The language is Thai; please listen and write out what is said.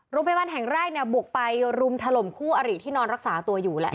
รุ่มพยาบาลแห่งแรกบุกไปรุมถล่มคู่อารีดที่นอนรักษาตัวอยู่แล้ว